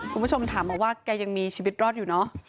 คุณผู้ชมถามมาว่าแกยังมีชีวิตรอดอยู่เนอะ